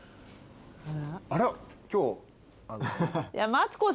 あら！今日。